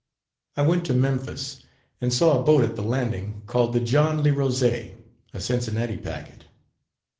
I went to Memphis, and saw a boat at the landing, called the John Lirozey, a Cincinnati packet.